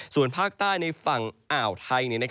ส่วนภาคใต้ในฝั่งอ่าวไทย